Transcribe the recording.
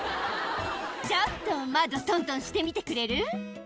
「ちょっと窓トントンしてみてくれる？」